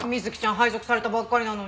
配属されたばっかりなのに。